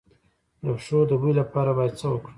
د پښو د بوی لپاره باید څه وکړم؟